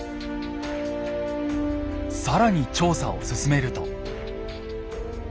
更に調査を進めると。